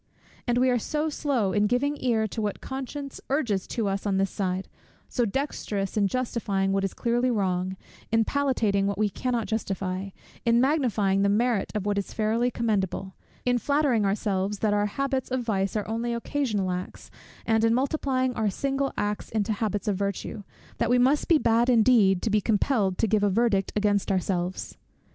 And we are so slow in giving ear to what conscience urges to us on this side; so dexterous in justifying what is clearly wrong, in palliating what we cannot justify, in magnifying the merit of what is fairly commendable, in flattering ourselves that our habits of vice are only occasional acts, and in multiplying our single acts into habits of virtue, that we must be bad indeed, to be compelled to give a verdict against ourselves.